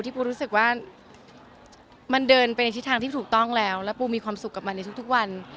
ปูรู้สึกว่ามันเดินไปในทิศทางที่ถูกต้องแล้วแล้วปูมีความสุขกับมันในทุกวัน